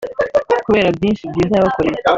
kubera byinshi byiza yabakoreye